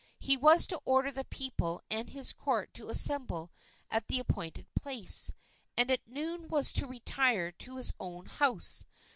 He was to order the people and his court to assemble at the appointed place, and at noon was to retire to his own house.